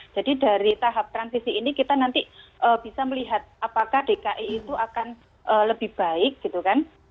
jadi dari tahap transisi ini kita nanti bisa melihat apakah dki itu akan lebih baik gitu kan